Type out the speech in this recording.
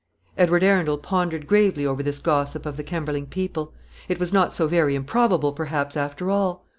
Edward Arundel pondered gravely over this gossip of the Kemberling people. It was not so very improbable, perhaps, after all.